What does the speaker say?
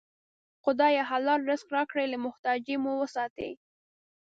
خدایه! حلال رزق راکړې، له محتاجۍ مو وساتې